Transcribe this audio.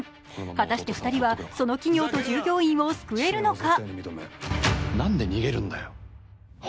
果たして２人はその企業と従業員を救えるのか。